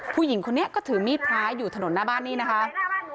ผู้หญิงคนนี้ก็ถือมีดพระอยู่ถนนหน้าบ้านนี่นะคะ